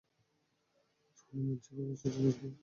যখনই মন চাইবে বাসায় চলে আসবি।